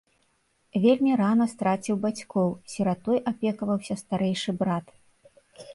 Вельмі рана страціў бацькоў, сіратой апекаваўся старэйшы брат.